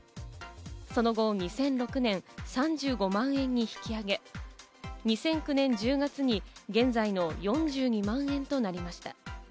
その後２００６年、３５万円に引き上げ、２００９年１０月に現在の４２万円となりました。